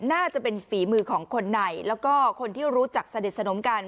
น่าจะเป็นฝีมือของคนในแล้วก็คนที่รู้จักสนิทสนมกัน